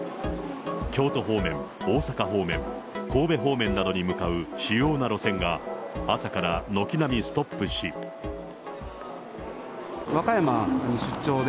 京都方面、大阪方面、神戸方面などに向かう主要な路線が、和歌山に出張で、